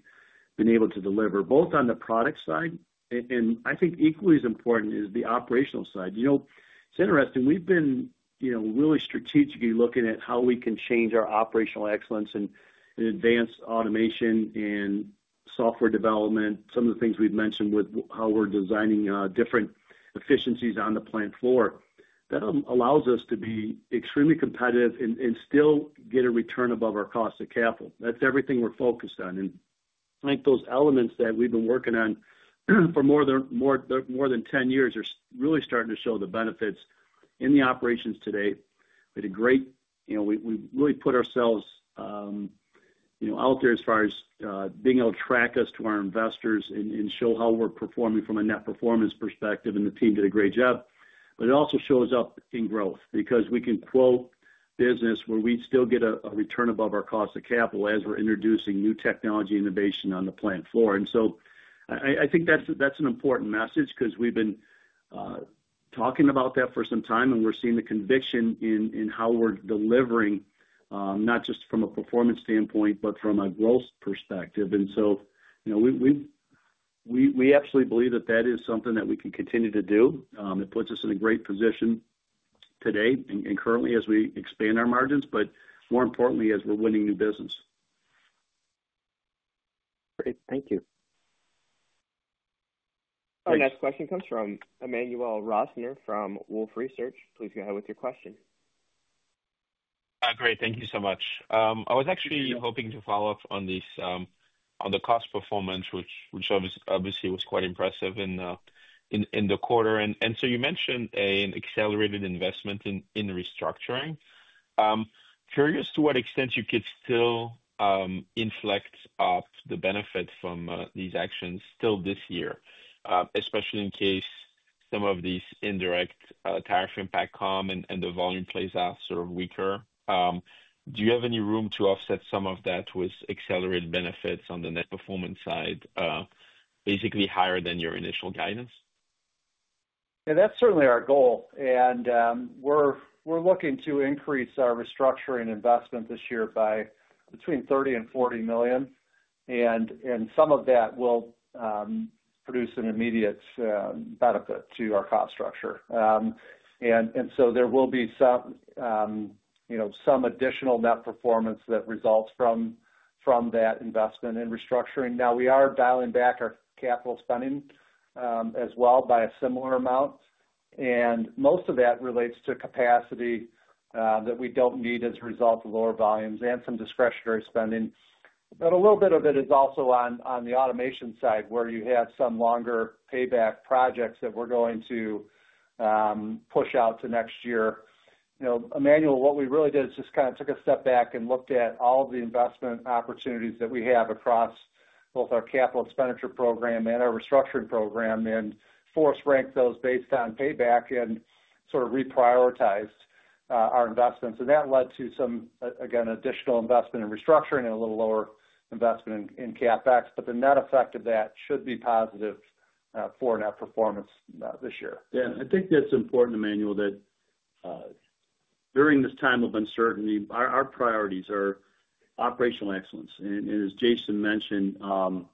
been able to deliver, both on the product side. I think equally as important is the operational side. It's interesting. We've been really strategically looking at how we can change our operational excellence and advance automation and software development, some of the things we've mentioned with how we're designing different efficiencies on the plant floor. That allows us to be extremely competitive and still get a return above our cost of capital. That's everything we're focused on. I think those elements that we've been working on for more than 10 years are really starting to show the benefits in the operations today. We did great. We really put ourselves out there as far as being able to track us to our investors and show how we are performing from a net performance perspective. The team did a great job. It also shows up in growth because we can quote business where we still get a return above our cost of capital as we are introducing new technology innovation on the plant floor. I think that is an important message because we have been talking about that for some time, and we are seeing the conviction in how we are delivering, not just from a performance standpoint, but from a growth perspective. We absolutely believe that is something that we can continue to do. It puts us in a great position today and currently as we expand our margins, but more importantly, as we are winning new business. Great. Thank you. Our next question comes from Emmanuel Rosner from Wolfe Research. Please go ahead with your question. Great. Thank you so much. I was actually hoping to follow up on the cost performance, which obviously was quite impressive in the quarter. You mentioned an accelerated investment in restructuring. Curious to what extent you could still inflect up the benefit from these actions still this year, especially in case some of these indirect tariff impacts come and the volume plays out sort of weaker. Do you have any room to offset some of that with accelerated benefits on the net performance side, basically higher than your initial guidance? Yeah, that's certainly our goal. We're looking to increase our restructuring investment this year by between $30 million and $40 million. Some of that will produce an immediate benefit to our cost structure. There will be some additional net performance that results from that investment in restructuring. We are dialing back our capital spending as well by a similar amount. Most of that relates to capacity that we do not need as a result of lower volumes and some discretionary spending. A little bit of it is also on the automation side where you have some longer payback projects that we are going to push out to next year. Emmanuel, what we really did is just kind of took a step back and looked at all of the investment opportunities that we have across both our capital expenditure program and our restructuring program and force ranked those based on payback and sort of reprioritized our investments. That led to some, again, additional investment in restructuring and a little lower investment in CapEx. The net effect of that should be positive for net performance this year. Yeah. I think that's important, Emmanuel, that during this time of uncertainty, our priorities are operational excellence. As Jason mentioned, how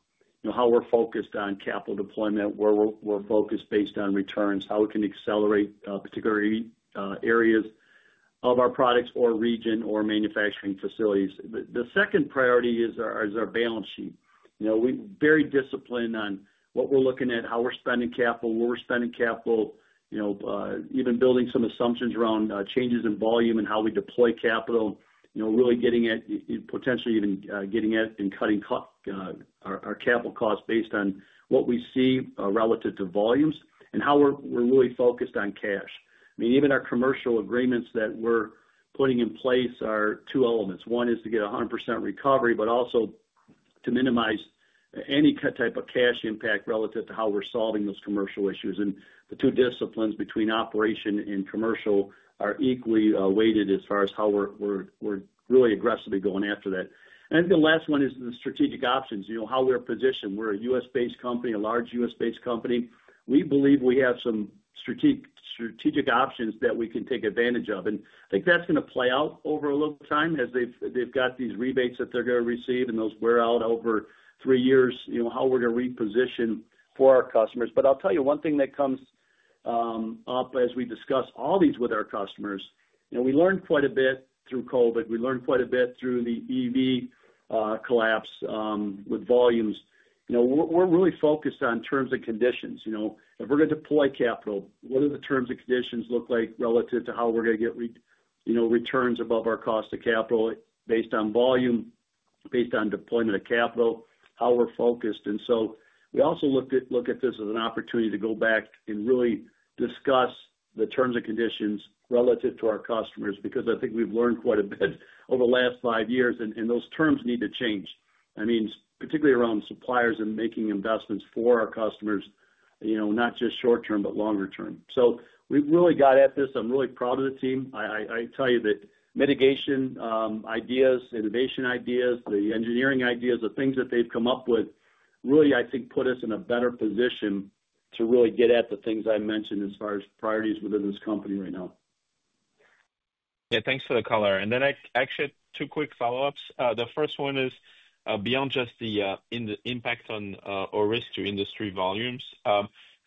we're focused on capital deployment, where we're focused based on returns, how we can accelerate particular areas of our products or region or manufacturing facilities. The second priority is our balance sheet. We're very disciplined on what we're looking at, how we're spending capital, where we're spending capital, even building some assumptions around changes in volume and how we deploy capital, really getting at potentially even getting at and cutting our capital costs based on what we see relative to volumes and how we're really focused on cash. I mean, even our commercial agreements that we're putting in place are two elements. One is to get 100% recovery, but also to minimize any type of cash impact relative to how we're solving those commercial issues. The two disciplines between operation and commercial are equally weighted as far as how we're really aggressively going after that. I think the last one is the strategic options, how we're positioned. We're a U.S.-based company, a large U.S.-based company. We believe we have some strategic options that we can take advantage of. I think that's going to play out over a little time as they've got these rebates that they're going to receive and those wear out over three years, how we're going to reposition for our customers. I'll tell you one thing that comes up as we discuss all these with our customers. We learned quite a bit through COVID. We learned quite a bit through the EV collapse with volumes. We're really focused on terms and conditions. If we're going to deploy capital, what do the terms and conditions look like relative to how we're going to get returns above our cost of capital based on volume, based on deployment of capital, how we're focused? We also look at this as an opportunity to go back and really discuss the terms and conditions relative to our customers because I think we've learned quite a bit over the last five years. Those terms need to change. I mean, particularly around suppliers and making investments for our customers, not just short-term, but longer-term. We've really got at this. I'm really proud of the team. I tell you that mitigation ideas, innovation ideas, the engineering ideas, the things that they've come up with, really, I think, put us in a better position to really get at the things I mentioned as far as priorities within this company right now. Yeah. Thanks for the color. And then actually, two quick follow-ups. The first one is beyond just the impact on or risk to industry volumes.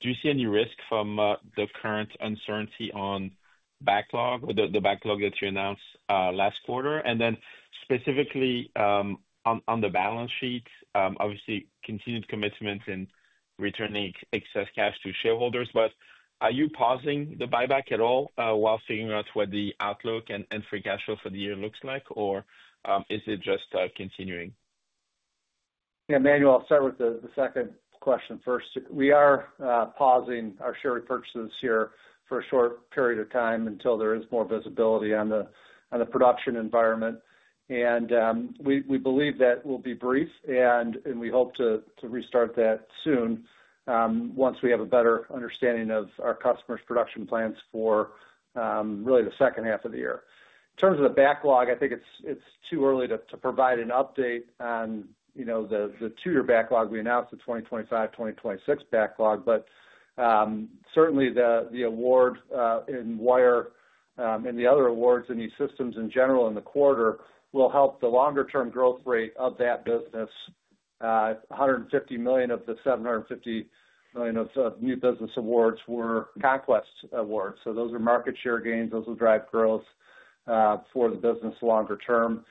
Do you see any risk from the current uncertainty on backlog, the backlog that you announced last quarter? And then specifically on the balance sheet, obviously, continued commitments in returning excess cash to shareholders. But are you pausing the buyback at all while figuring out what the outlook and free cash flow for the year looks like, or is it just continuing? Yeah. Emmanuel, I'll start with the second question first. We are pausing our share repurchases here for a short period of time until there is more visibility on the production environment. We believe that will be brief, and we hope to restart that soon once we have a better understanding of our customers' production plans for really the second half of the year. In terms of the backlog, I think it's too early to provide an update on the two-year backlog. We announced the 2025, 2026 backlog. Certainly, the award in Wire and the other awards in E-Systems in general in the quarter will help the longer-term growth rate of that business. $150 million of the $750 million of new business awards were conquest awards. Those are market share gains. Those will drive growth for the business longer term.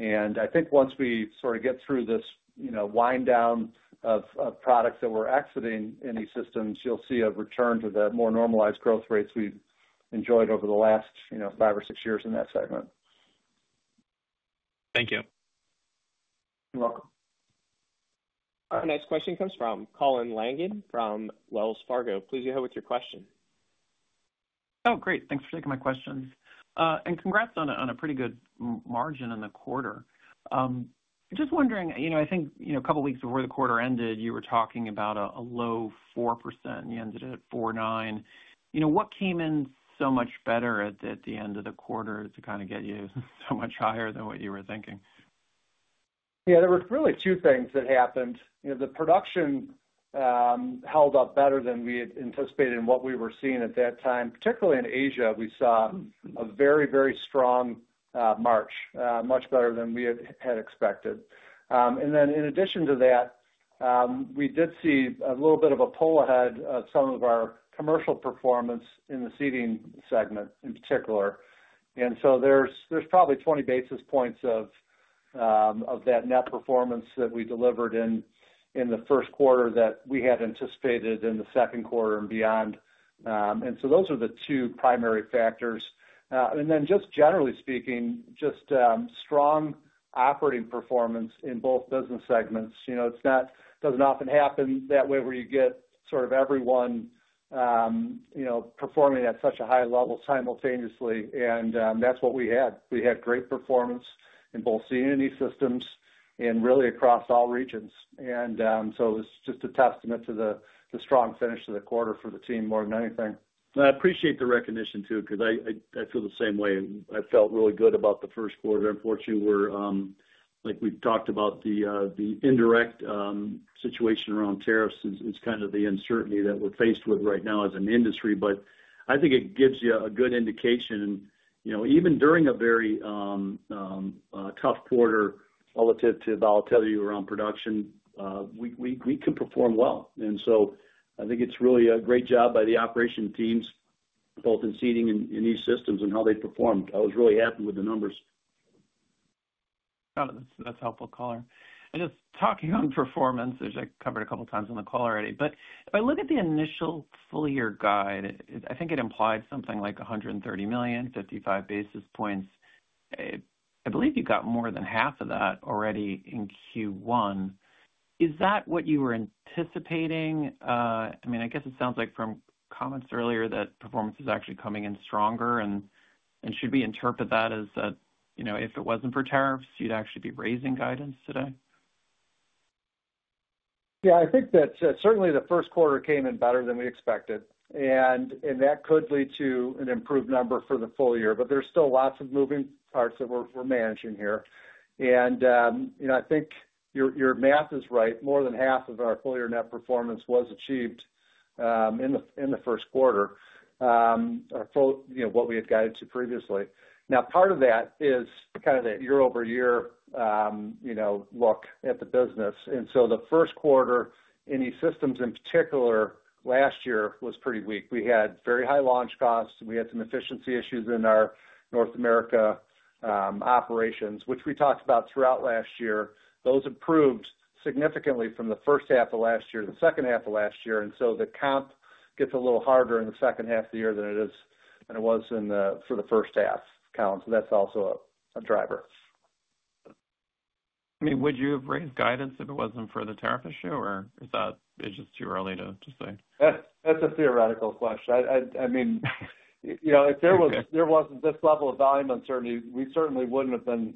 I think once we sort of get through this wind down of products that we're exiting in E-Systems, you'll see a return to the more normalized growth rates we've enjoyed over the last five or six years in that segment. Thank you. You're welcome. Our next question comes from Colin Langan from Wells Fargo. Please go ahead with your question. Oh, great. Thanks for taking my questions. And congrats on a pretty good margin in the quarter. Just wondering, I think a couple of weeks before the quarter ended, you were talking about a low 4%. You ended at 4.9%. What came in so much better at the end of the quarter to kind of get you so much higher than what you were thinking? Yeah. There were really two things that happened. The production held up better than we had anticipated in what we were seeing at that time. Particularly in Asia, we saw a very, very strong March, much better than we had expected. In addition to that, we did see a little bit of a pull ahead of some of our commercial performance in the Seating segment in particular. There is probably 20 basis points of that net performance that we delivered in the first quarter that we had anticipated in the second quarter and beyond. Those are the two primary factors. Just generally speaking, just strong operating performance in both business segments. It does not often happen that way where you get sort of everyone performing at such a high level simultaneously. That is what we had. We had great performance in both Seating and E-Systems and really across all regions. It was just a testament to the strong finish of the quarter for the team more than anything. I appreciate the recognition too because I feel the same way. I felt really good about the first quarter. Unfortunately, like we've talked about, the indirect situation around tariffs is kind of the uncertainty that we're faced with right now as an industry. I think it gives you a good indication. Even during a very tough quarter relative to volatility around production, we can perform well. I think it's really a great job by the operation teams, both in Seating and E-Systems, and how they performed. I was really happy with the numbers. Got it. That's helpful, Colin. Just talking on performance, which I covered a couple of times on the call already. If I look at the initial full-year guide, I think it implied something like $130 million, 55 basis points. I believe you got more than half of that already in Q1. Is that what you were anticipating? I mean, I guess it sounds like from comments earlier that performance is actually coming in stronger and should we interpret that as if it was not for tariffs, you would actually be raising guidance today? Yeah. I think that certainly the first quarter came in better than we expected. That could lead to an improved number for the full year. There are still lots of moving parts that we are managing here. I think your math is right. More than half of our full-year net performance was achieved in the first quarter, what we had guided to previously. Part of that is kind of the year-over-year look at the business. The first quarter in E-Systems in particular last year was pretty weak. We had very high launch costs. We had some efficiency issues in our North America operations, which we talked about throughout last year. Those improved significantly from the first half of last year to the second half of last year. The comp gets a little harder in the second half of the year than it was for the first half, Colin. That is also a driver. I mean, would you have raised guidance if it was not for the tariff issue, or is that just too early to say? That is a theoretical question. I mean, if there was not this level of volume uncertainty, we certainly would not have been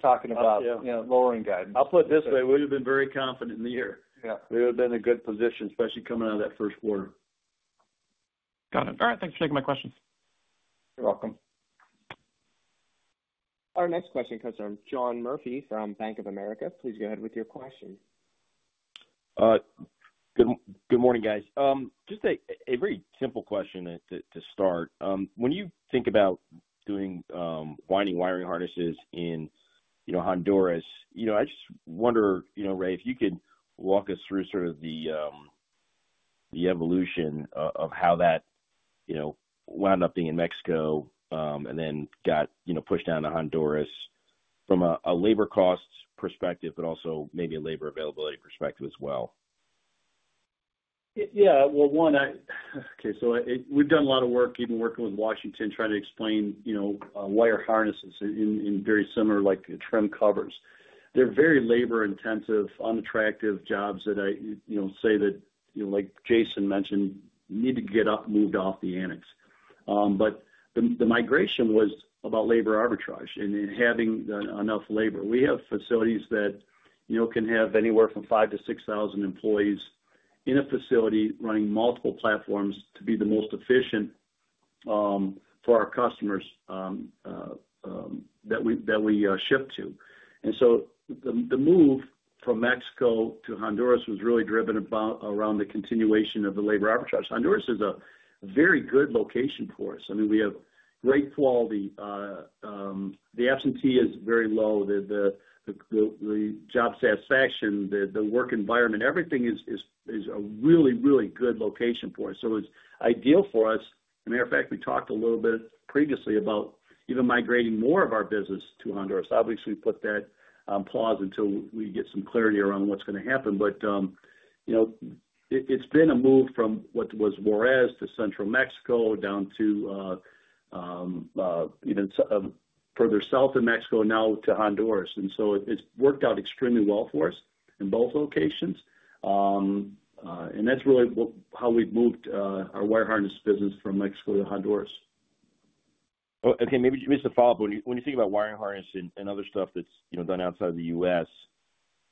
talking about lowering guidance. I will put it this way. We would have been very confident in the year. We would have been in a good position, especially coming out of that first quarter. Got it. All right. Thanks for taking my questions. You're welcome. Our next question comes from John Murphy from Bank of America. Please go ahead with your question. Good morning, guys. Just a very simple question to start. When you think about doing winding wiring harnesses in Honduras, I just wonder, Ray, if you could walk us through sort of the evolution of how that wound up being in Mexico and then got pushed down to Honduras from a labor cost perspective, but also maybe a labor availability perspective as well. Yeah. One, okay, so we've done a lot of work, even working with Washington, trying to explain wire harnesses in very similar trim covers. They're very labor-intensive, unattractive jobs that I say that, like Jason mentioned, need to get moved off The Annex. The migration was about labor arbitrage and having enough labor. We have facilities that can have anywhere from 5,000 to 6,000 employees in a facility running multiple platforms to be the most efficient for our customers that we ship to. The move from Mexico to Honduras was really driven around the continuation of the labor arbitrage. Honduras is a very good location for us. I mean, we have great quality. The absentee is very low. The job satisfaction, the work environment, everything is a really, really good location for us. It is ideal for us. As a matter of fact, we talked a little bit previously about even migrating more of our business to Honduras. Obviously, we put that on pause until we get some clarity around what is going to happen. It's been a move from what was Juárez to Central Mexico down to even further south of Mexico, now to Honduras. It has worked out extremely well for us in both locations. That's really how we've moved our wire harness business from Mexico to Honduras. Okay. Maybe just a follow-up. When you think about wiring harness and other stuff that's done outside of the U.S.,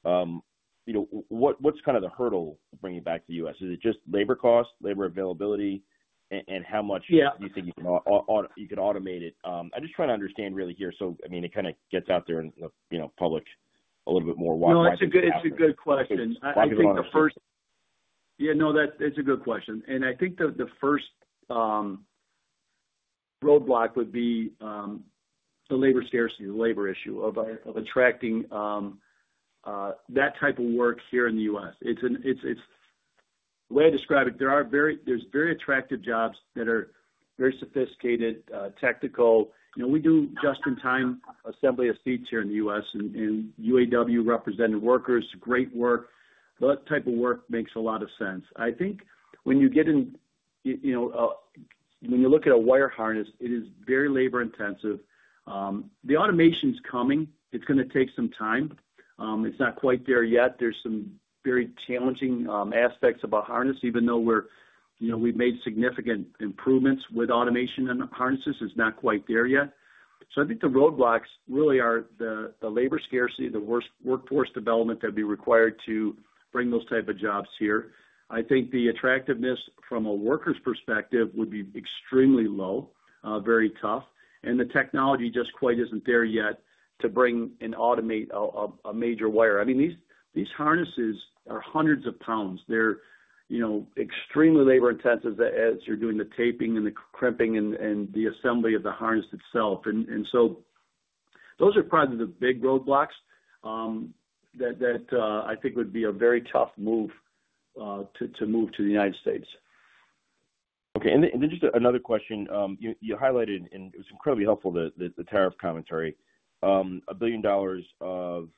what's kind of the hurdle bringing it back to the U.S.? Is it just labor cost, labor availability, and how much do you think you can automate it? I'm just trying to understand really here. I mean, it kind of gets out there in the public a little bit more widely. No, it's a good question. I think the first—yeah, no, that's a good question. I think the first roadblock would be the labor scarcity, the labor issue of attracting that type of work here in the U.S. The way I describe it, there are very attractive jobs that are very sophisticated, technical. We do just-in-time assembly of seats here in the U.S., and UAW-represented workers, great work. That type of work makes a lot of sense. I think when you look at a wire harness, it is very labor-intensive. The automation is coming. It is going to take some time. It is not quite there yet. There are some very challenging aspects of a harness, even though we have made significant improvements with automation in harnesses. It is not quite there yet. I think the roadblocks really are the labor scarcity, the workforce development that would be required to bring those types of jobs here. I think the attractiveness from a worker's perspective would be extremely low, very tough. The technology just quite isn't there yet to bring and automate a major wire. I mean, these harnesses are hundreds of pounds. They're extremely labor-intensive as you're doing the taping and the crimping and the assembly of the harness itself. Those are probably the big roadblocks that I think would be a very tough move to move to the United States. Okay. Just another question. You highlighted, and it was incredibly helpful, the tariff commentary, $1 billion of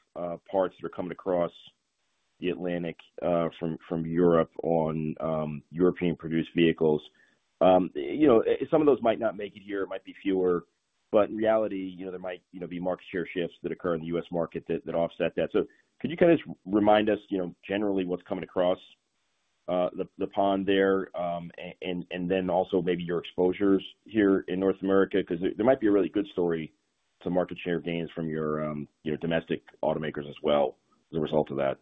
parts that are coming across the Atlantic from Europe on European-produced vehicles. Some of those might not make it here. It might be fewer. In reality, there might be market share shifts that occur in the U.S. market that offset that. Could you kind of just remind us generally what's coming across the pond there? And then also maybe your exposures here in North America because there might be a really good story to market share gains from your domestic automakers as well as a result of that.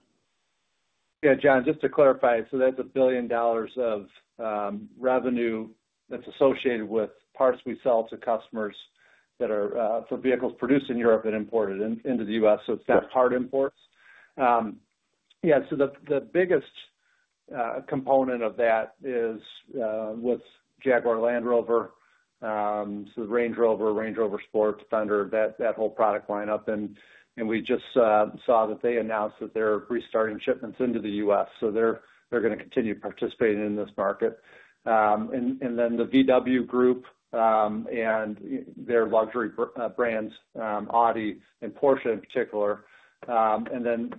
Yeah. John, just to clarify, that's $1 billion of revenue that's associated with parts we sell to customers that are for vehicles produced in Europe and imported into the U.S. So it's that part imports. Yeah. The biggest component of that is with Jaguar Land Rover, so the Range Rover, Range Rover Sport, Defender, that whole product lineup. We just saw that they announced that they're restarting shipments into the U.S. They're going to continue participating in this market. The VW Group and their luxury brands, Audi and Porsche in particular, and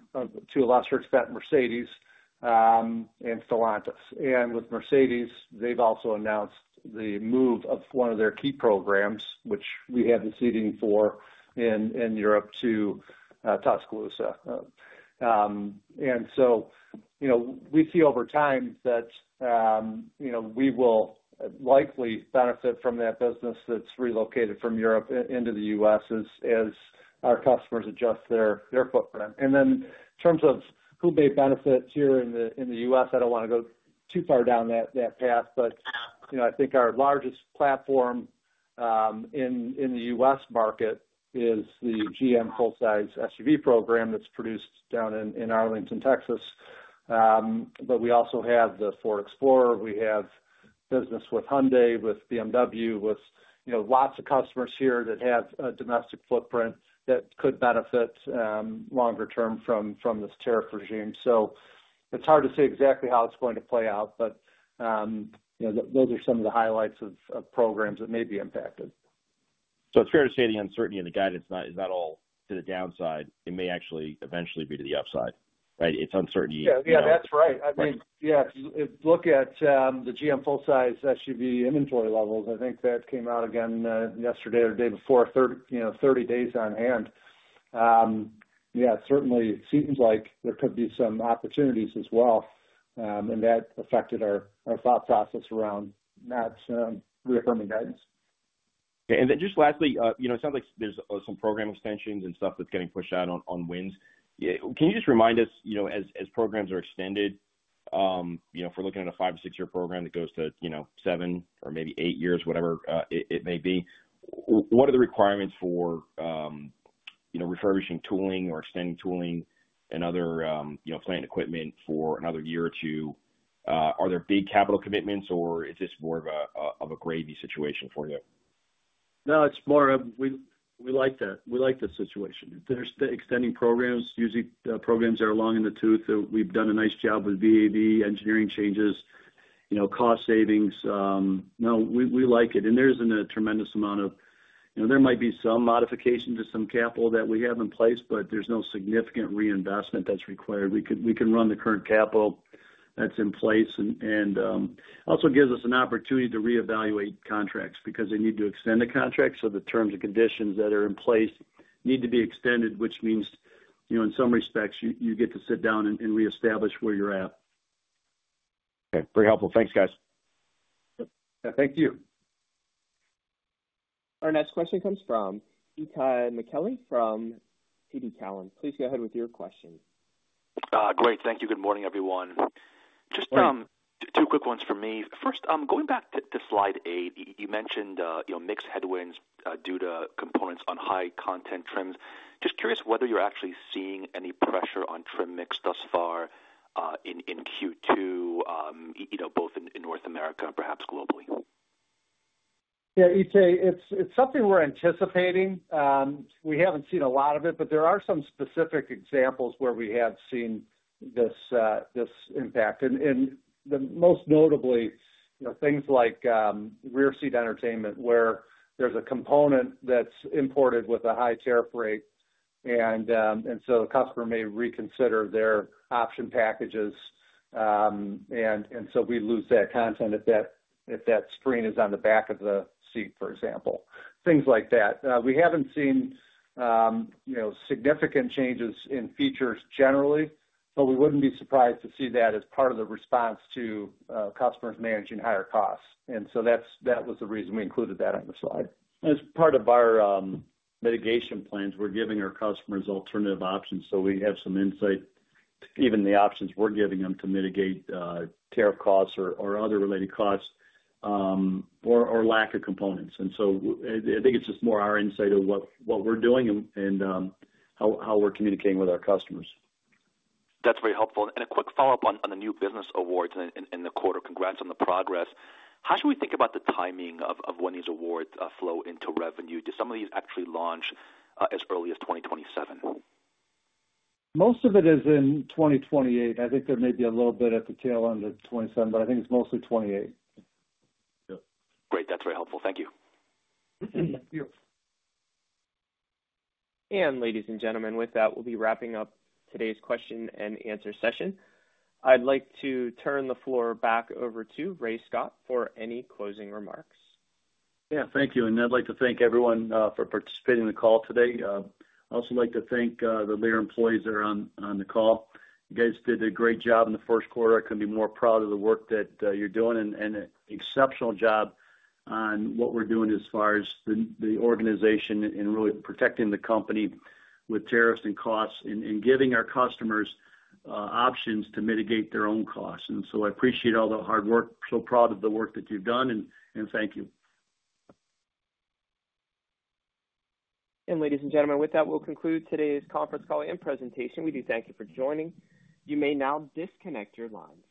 to a lesser extent, Mercedes and Stellantis. With Mercedes, they have also announced the move of one of their key programs, which we have the Seating for in Europe, to Tuscaloosa. We see over time that we will likely benefit from that business that is relocated from Europe into the U.S. as our customers adjust their footprint. In terms of who may benefit here in the U.S., I do not want to go too far down that path, but I think our largest platform in the U.S. market is the GM Full-Size SUV program that is produced down in Arlington, Texas. We also have the Ford Explorer. We have business with Hyundai, with BMW, with lots of customers here that have a domestic footprint that could benefit longer term from this tariff regime. It is hard to say exactly how it is going to play out, but those are some of the highlights of programs that may be impacted. It is fair to say the uncertainty in the guidance is not all to the downside. It may actually eventually be to the upside, right? It is uncertainty. Yeah. Yeah. That is right. I mean, yeah. Look at the GM Full-Size SUV inventory levels. I think that came out again yesterday or the day before, 30 days on hand. Yeah. Certainly, it seems like there could be some opportunities as well. That affected our thought process around that reaffirming guidance. Okay. And then just lastly, it sounds like there is some program extensions and stuff that is getting pushed out on winds. Can you just remind us, as programs are extended, if we're looking at a five or six-year program that goes to seven or maybe eight years, whatever it may be, what are the requirements for refurbishing tooling or extending tooling and other plant equipment for another year or two? Are there big capital commitments, or is this more of a gravy situation for you? No, it's more of we like the situation. There's the extending programs, usually programs that are long in the tooth. We've done a nice job with VAD, engineering changes, cost savings. No, we like it. And there isn't a tremendous amount of there might be some modification to some capital that we have in place, but there's no significant reinvestment that's required. We can run the current capital that's in place. It also gives us an opportunity to reevaluate contracts because they need to extend the contracts. The terms and conditions that are in place need to be extended, which means in some respects, you get to sit down and reestablish where you're at. Okay. Very helpful. Thanks, guys. Yeah. Thank you. Our next question comes from Itay McKelly from TD Cowen. Please go ahead with your question. Great. Thank you. Good morning, everyone. Just two quick ones for me. First, going back to slide eight, you mentioned mixed headwinds due to components on high-content trims. Just curious whether you're actually seeing any pressure on trim mix thus far in Q2, both in North America and perhaps globally. Yeah. You'd say it's something we're anticipating. We haven't seen a lot of it, but there are some specific examples where we have seen this impact. Most notably, things like rear-seat entertainment where there is a component that is imported with a high tariff rate. The customer may reconsider their option packages, and we lose that content if that screen is on the back of the seat, for example. Things like that. We have not seen significant changes in features generally, but we would not be surprised to see that as part of the response to customers managing higher costs. That was the reason we included that on the slide. As part of our mitigation plans, we are giving our customers alternative options. We have some insight, even the options we are giving them to mitigate tariff costs or other related costs or lack of components. I think it is just more our insight of what we are doing and how we are communicating with our customers. That is very helpful. A quick follow-up on the new business awards in the quarter. Congrats on the progress. How should we think about the timing of when these awards flow into revenue? Do some of these actually launch as early as 2027? Most of it is in 2028. I think there may be a little bit at the tail end of 2027, but I think it is mostly 2028. Yep. Great. That is very helpful. Thank you. Thank you. Ladies and gentlemen, with that, we will be wrapping up today's question and answer session. I would like to turn the floor back over to Ray Scott for any closing remarks. Yeah. Thank you. I would like to thank everyone for participating in the call today. I would also like to thank the Lear employees that are on the call. You guys did a great job in the first quarter. I couldn't be more proud of the work that you're doing and an exceptional job on what we're doing as far as the organization and really protecting the company with tariffs and costs and giving our customers options to mitigate their own costs. I appreciate all the hard work. So proud of the work that you've done. Thank you. Ladies and gentlemen, with that, we'll conclude today's conference call and presentation. We do thank you for joining. You may now disconnect your lines.